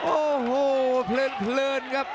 โอ้โหเพลินครับ